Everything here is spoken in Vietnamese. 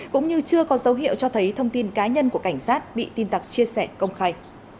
cũng như chưa có dấu hiệu cho thấy thông tin cá nhân của cảnh sát bị tin tặc chia sẻ công khai